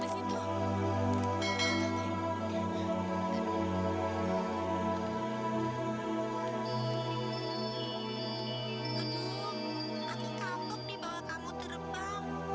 angin kapok dibawa kamu terbang